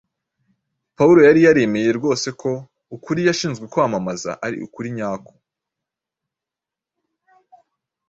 Pawulo yari yaremeye rwose ko ukuri yashinzwe kwamamaza ari ukuri nyako,